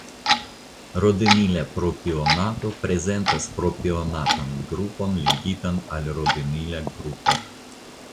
Rodinila propionato prezentas propionatan grupon ligitan al rodinila grupo.